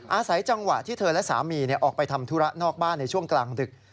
อาศัยจังหวะที่เธอและสามีออกไปทำธุระนอกบ้านในช่วงกลางดึก